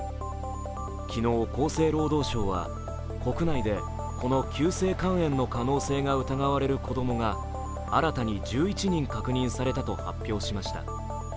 昨日、厚生労働省は国内でこの急性肝炎の可能性が疑われる子供が新たに１１人確認されたと発表しました。